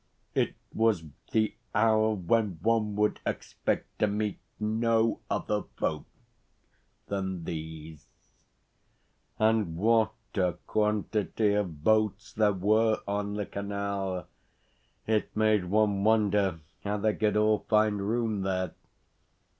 It was the hour when one would expect to meet no other folk than these. And what a quantity of boats there were on the canal. It made one wonder how they could all find room there.